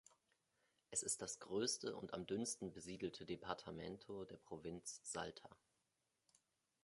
Es ist das größte und am dünnsten besiedelte Departamento der Provinz Salta.